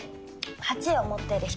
８を持ってる人？